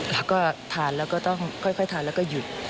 แล้วก็ทานแล้วก็ต้องค่อยทานแล้วก็หยุด